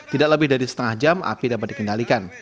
tidak lebih dari setengah jam api dapat dikendalikan